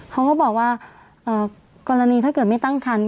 เขาก็บอกว่ากรณีถ้าเกิดไม่ตั้งคัน